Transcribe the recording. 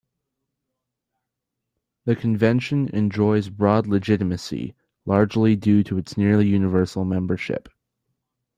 The convention enjoys broad legitimacy, largely due to its nearly universal membership.